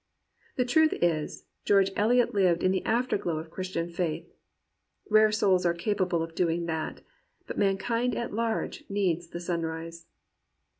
The truth is, George Eliot lived in the afterglow of Christian faith. Rare souls are capable of doing that. But mankind at large needs the sunrise.